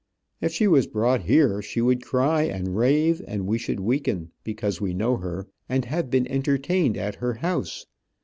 If she was brought here she would cry, and rave, and we should weaken, because we know her, and have been entertained at her house.